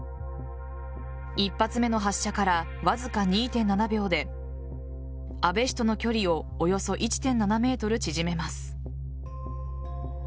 １発目の発射からわずか２．７秒で安倍氏との距離をおよそ１．７ｍ縮めます。